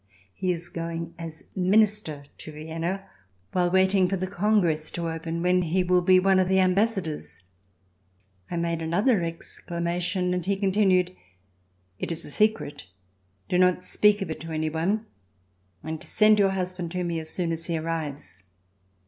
He is going as Minister to Vienna while waiting for the Congress to open, when he will be one of the Ambassadors." I made another exclamation, and he continued : "It is a secret. Do not speak of it to any one, and send your husband to me as soon as he arrives."